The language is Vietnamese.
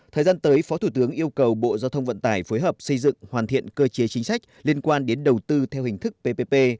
thời gian tới phó thủ tướng yêu cầu bộ giao thông vận tải phối hợp xây dựng hoàn thiện cơ chế chính sách liên quan đến đầu tư theo hình thức ppp